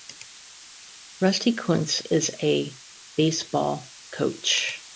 Rusty Kuntz is a baseball coach.